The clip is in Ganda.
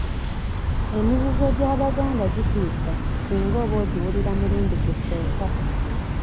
Emizizo gy'Abaganda gitiisa singa oba ogiwulira mulundi gusooka.